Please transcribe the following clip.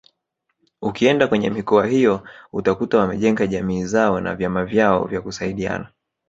Ukienda kwenye mikoa hiyo utakuta wamejenga jamii zao na vyama vyao vya kusaidiana